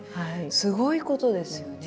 すごいことですよね。